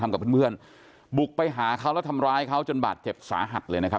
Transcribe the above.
กับเพื่อนเพื่อนบุกไปหาเขาแล้วทำร้ายเขาจนบาดเจ็บสาหัสเลยนะครับ